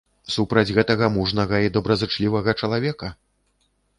Супраць гэтага мужнага і добразычлівага чалавека?